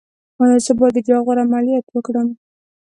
ایا زه باید د جاغور عملیات وکړم؟